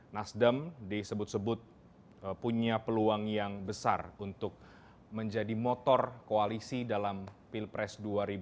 nasdem disebut sebut punya peluang yang besar untuk menjadi motor koalisi dalam pilpres dua ribu dua puluh